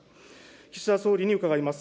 岸田総理に伺います。